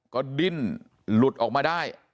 ก็ดิ้นหลุดออกมาได้